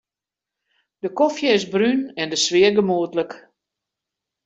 De kofje is brún en de sfear gemoedlik.